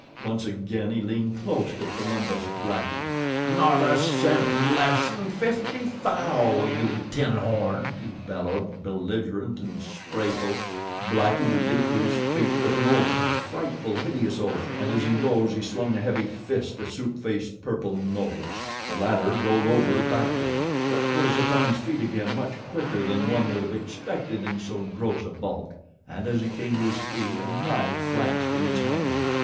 Once again he leaned close to Columbus Blackie. "Not a cent less 'n fifty thou, you tinhorn!" he bellowed, belligerent and sprayful. Blackie leaped to his feet, with an oath a frightful, hideous oath and as he rose he swung a heavy fist to Soup Face's purple nose. The latter rolled over backward; but was upon his feet again much quicker than one would have expected in so gross a bulk, and as he came to his feet a knife flashed in his hand.